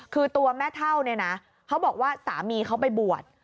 คือตัวแม่เถ้าเค้าบอกว่าสามีเค้าไปบวช